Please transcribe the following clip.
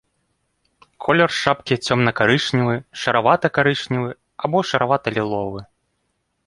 Колер шапкі цёмна-карычневы, шаравата-карычневы або шаравата-ліловы.